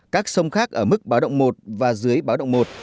các sông khác ở mức báo động một và dưới báo động một